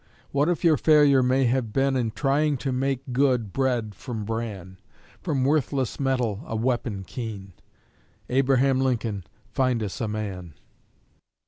What if your failure may have been In trying to make good bread from bran, From worthless metal a weapon keen? Abraham Lincoln, find us a MAN!